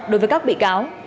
đối với các bị cáo